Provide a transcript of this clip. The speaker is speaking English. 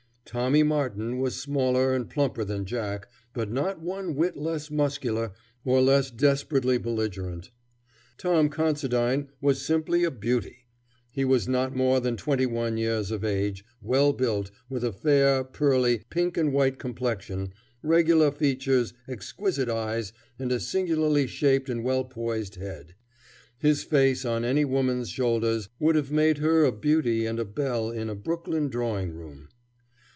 Tommy Martin was smaller and plumper than Jack, but not one whit less muscular or less desperately belligerent. Tim Considine was simply a beauty. He was not more than twenty one years of age, well built, with a fair, pearly, pink and white complexion, regular features, exquisite eyes, and a singularly shapely and well poised head. His face on any woman's shoulders would have made her a beauty and a belle in a Brooklyn drawing room.